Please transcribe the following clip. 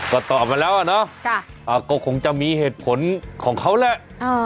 ก็ตอบมาแล้วอะเนาะก็คงจะมีเหตุผลของเขาแหละ